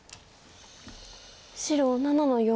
白７の四。